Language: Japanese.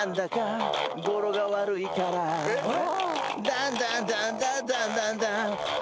「ダンダンダンダダンダンダン」